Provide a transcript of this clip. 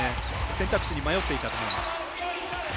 選択肢に迷っていたと思います。